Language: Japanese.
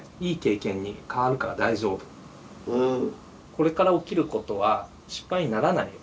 これから起きることは失敗にならないよ